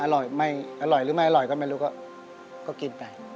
อร่อยหรือไม่อร่อยก็ไม่รู้ก็กินไป